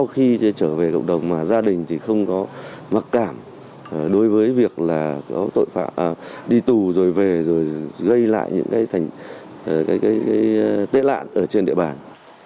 khi trở về cộng đồng mà gia đình thì không có mặc cảm đối với việc là có tội phạm đi tù rồi về rồi gây lại những cái tết lạn ở trên địa bàn